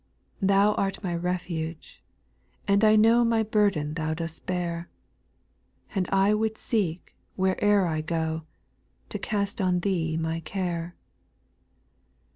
! 2.(' Thou art my refuge, and I know My burden Thou dost bear. And I would seek, where'er I gfi^ To cast on Thee my care.